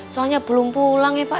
soalnya belum pulang nih pak